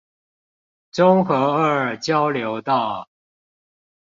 中和二交流道